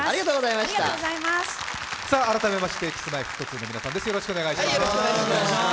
改めましてＫｉｓ−Ｍｙ−Ｆｔ２の皆さんです。